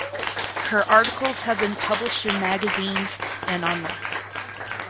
Her articles have been published in magazines and online.